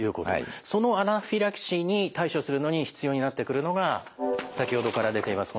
そのアナフィラキシーに対処するのに必要になってくるのが先ほどから出ています